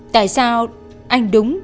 tại sao anh đúng